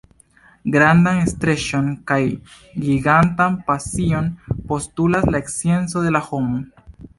Grandan streĉon kaj gigantan pasion postulas la scienco de la homo.